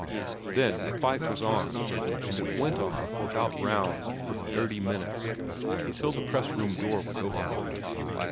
Then the fight was on, and it went on, without rounds, for thirty minutes, until the press room door was opened.